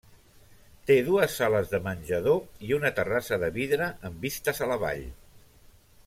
Té dues sales de menjador i una terrassa de vidre amb vistes a la vall.